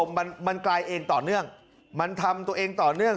มันมันกลายเองต่อเนื่องมันทำตัวเองต่อเนื่อง